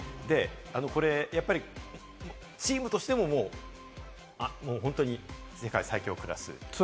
これ、チームとしても本当に世界最強クラス。